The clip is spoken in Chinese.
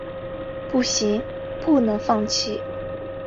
不行，不能放弃